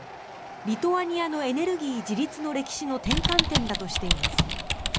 リトアニアのエネルギー自立の歴史の転換点だとしています。